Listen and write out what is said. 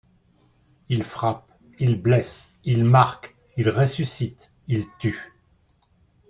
Il frappe, il blesse, il marque, il ressuscite, il tue.